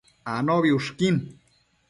Anobi ushquin